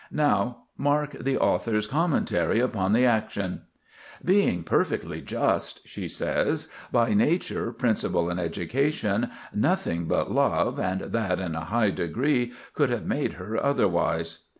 Now, mark the author's commentary upon the action: "Being perfectly just," she says, "by nature, principle, and education, nothing but love, and that in a high degree, could have made her otherwise."